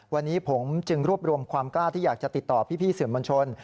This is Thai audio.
วันนี้ผมจึงรวบรวมความกล้าที่อยากจะติดต่อพี่สื่อมวลชน